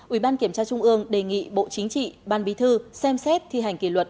ủy ban kiểm tra trung ương đề nghị bộ chính trị ban bí thư xem xét thi hành kỷ luật